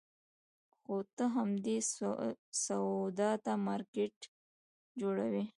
خو ته همدې سودا ته مارکېټ جوړوې.